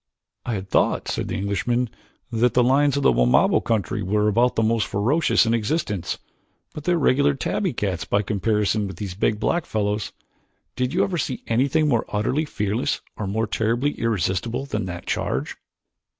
"I had thought," said the Englishman, "that the lions of the Wamabo country were about the most ferocious in existence, but they are regular tabby cats by comparison with these big black fellows. Did you ever see anything more utterly fearless or more terribly irresistible than that charge?"